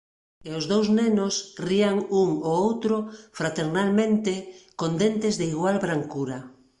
E os dous nenos rían un ó outro fraternalmente, con dentes de igual brancura.